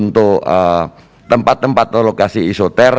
untuk tempat tempat atau lokasi isoter